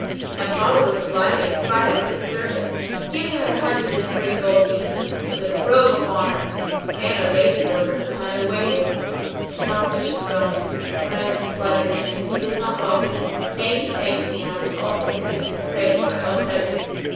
Thy father was delighted and cried out to the servant, 'Give him an hundred and three gold pieces with a robe of honour!' The man obeyed his orders, and I awaited an auspicious moment, when I blooded him; and he did not baulk me; nay he thanked me and I was also thanked and praised by all present.